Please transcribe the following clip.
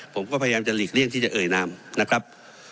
ผมก็พยายามจะหลีกเลี่ยงที่จะเอ่ยนามนะครับ